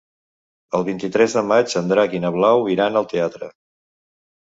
El vint-i-tres de maig en Drac i na Blau iran al teatre.